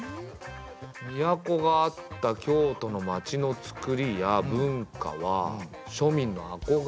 都があった京都の町のつくりや文化は庶民のあこがれだから。